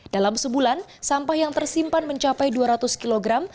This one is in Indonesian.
dalam sebulan sampah yang tersimpan mencapai dua ratus kilogram